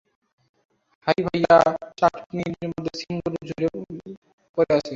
হারি ভাইয়া, চাটনির মধ্যে ঝিঙ্গুর পড়ে গেছে।